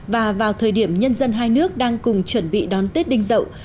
và vào thời điểm nhân dân hai nước đang cùng chuẩn bị đón tết đinh dậu